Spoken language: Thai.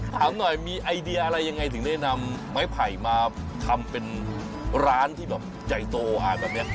ถามหน่อยมีไอเดียอะไรยังไงถึงได้นำไม้ไผ่มาทำเป็นร้านที่แบบใหญ่โตอ่านแบบนี้